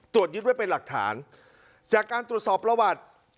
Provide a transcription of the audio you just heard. ยึดไว้เป็นหลักฐานจากการตรวจสอบประวัติ